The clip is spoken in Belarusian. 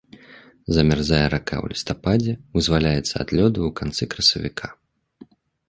Замярзае рака ў лістападзе, вызваляецца ад лёду ў канцы красавіка.